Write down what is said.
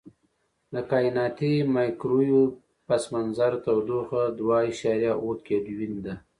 د کائناتي مایکروویو پس منظر تودوخه دوه اعشاریه اووه کیلوین ده.